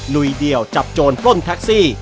ลุยเดี่ยวจับโจรปล้นแท็กซี่